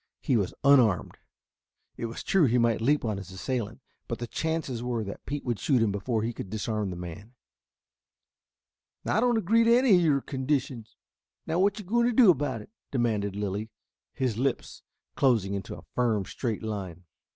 He was unarmed. It was true he might leap on his assailant, but the chances were that Pete would shoot him before he could disarm the man. "I don't agree to any of your conditions. Now what are you going to do about it?" demanded Lilly, his lips closing into a firm, straight line.